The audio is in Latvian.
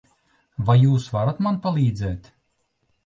Vai jūs varat man palīdzēt?